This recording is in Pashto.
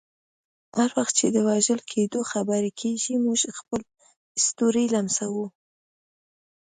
هر وخت چې د وژل کیدو خبره کیږي، موږ خپل ستوري لمسوو.